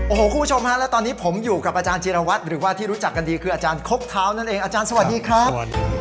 โอ้โหคุณผู้ชมฮะและตอนนี้ผมอยู่กับอาจารย์จีรวัตรหรือว่าที่รู้จักกันดีคืออาจารย์คกเท้านั่นเองอาจารย์สวัสดีครับ